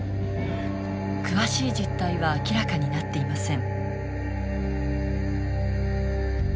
詳しい実態は明らかになっていません。